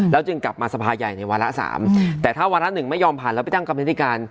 จึงกลับมาสภาใหญ่ในวาระ๓แต่ถ้าวาระหนึ่งไม่ยอมผ่านแล้วไปตั้งกรรมนิธิการ